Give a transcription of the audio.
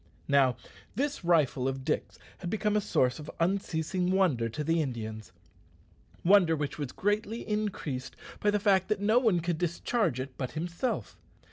Now, this rifle of Dick's had become a source of unceasing wonder to the Indians wonder which was greatly increased by the fact that no one could discharge it but himself.